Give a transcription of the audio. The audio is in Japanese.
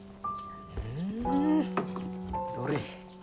ふんどれ。